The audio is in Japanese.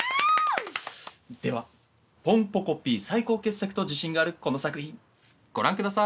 ではポンポコピー最高傑作と自信があるこの作品ご覧ください。